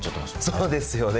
そうですよね。